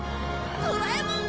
ドラえもん！